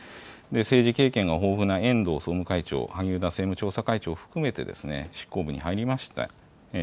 政治経験が豊富な遠藤総務会長、萩生田政務調査会長を含めて、執行部に入りました。